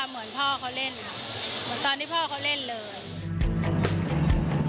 เหมือนพ่อเขาเล่นเหมือนตอนที่พ่อเขาเล่นเลย